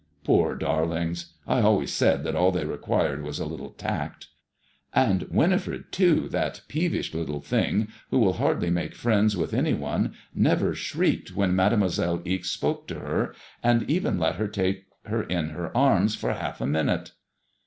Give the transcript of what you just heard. '* Poor darlings ! I always said that all they required was a little tact." " And Winifred, too, that peevish little thing who will hardly make friends with any one, never shrieked when Made moiselle Ixe spoke to her, and even let her take her in her arms for half a minute."